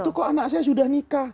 itu kok anak saya sudah nikah